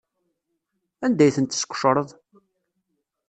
Anda ay tent-tesqecreḍ?